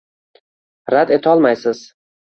Rad etolmaysiz